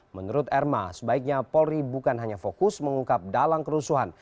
menurut erma sebaiknya polri bukan hanya fokus mengungkap dalang kerusuhan